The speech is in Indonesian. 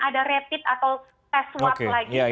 ada rapid atau fast work lagi